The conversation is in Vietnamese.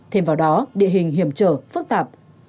thêm vào đó địa hình hiểm trở phức tạp